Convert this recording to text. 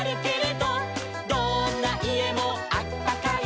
「どんないえもあったかい」